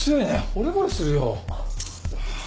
ほれぼれするよ。